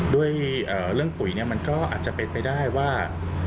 ด้วยเรื่องปุ๋ยมันก็อาจจะเป็นไปได้ว่า